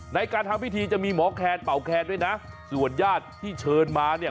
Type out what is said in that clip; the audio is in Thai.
ในการทำพิธีจะมีหมอแคนเป่าแคนด้วยนะส่วนญาติที่เชิญมาเนี่ย